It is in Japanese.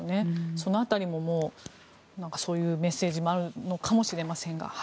その辺りももうそういうメッセージもあるのかもしれませんが。